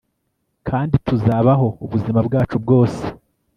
kandi tuzabaho ubuzima bwacu bwose